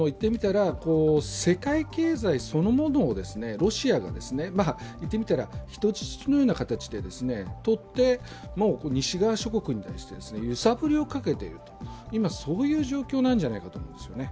世界経済そのものをロシアがいってみたら人質のような形をとってもう西側諸国に対して揺さぶりをかけている今そういう状況なんじゃないかと思うんですよね。